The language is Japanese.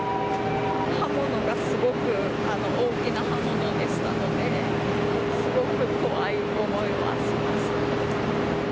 刃物がすごく大きな刃物でしたので、すごく怖いと思いました。